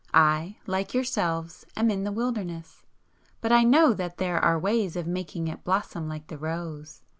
I, like yourselves, am in the 'Wilderness,' but I know that there are ways of making it blossom like the rose!